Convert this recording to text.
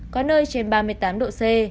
có nơi trên ba mươi tám độ c